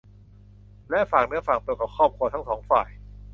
และฝากเนื้อฝากตัวกับครอบครัวของทั้งสองฝ่าย